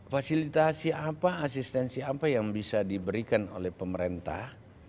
fasilitasi apa asistensi apa yang bisa diberikan oleh pemerintah